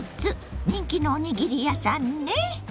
人気のおにぎり屋さんね。